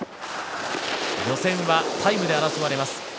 予選はタイムで争われます。